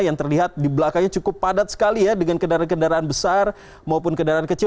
yang terlihat di belakangnya cukup padat sekali ya dengan kendaraan kendaraan besar maupun kendaraan kecil